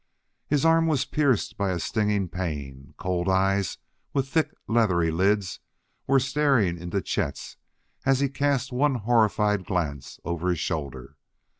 His arm was pierced by a stinging pain; cold eyes, with thick, leathery lids, were staring into Chet's as he cast one horrified glance over his shoulder.